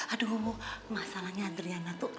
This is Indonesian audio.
aduh masalahnya adriana tuh